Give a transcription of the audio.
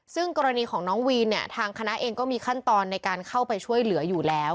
ซึ่งกรณีของน้องวีนเนี่ยทางคณะเองก็มีขั้นตอนในการเข้าไปช่วยเหลืออยู่แล้ว